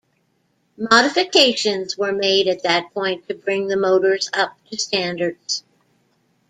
Modifications were made at that point to bring the motors up to standards.